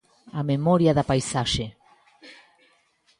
A memoria da paisaxe.